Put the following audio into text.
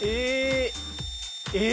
え！